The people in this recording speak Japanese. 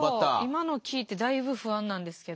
今のを聞いてだいぶ不安なんですけど。